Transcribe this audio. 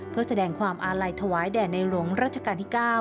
เพื่อแสดงความอาลัยถวายแด่ในหลวงราชการที่๙